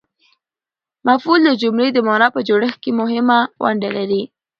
مفعول د جملې د مانا په جوړښت کښي مهمه ونډه لري.